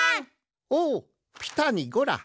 おおピタにゴラ。